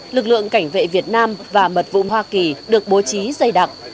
lực lượng cảnh vệ việt nam và mật vụ hoa kỳ được bố trí dây đặc